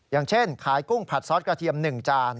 อย่างเช่นขายกุ้งผัดซอสกระเทียม๑จาน